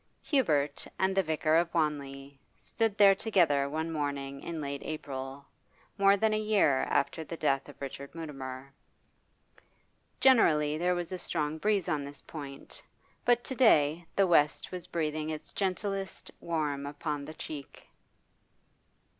Hubert and the vicar of Wanley stood there together one morning in late April, more than a year after the death of Richard Mutimer. Generally there was a strong breeze on this point, but to day the west was breathing its gentlest, warm upon the cheek.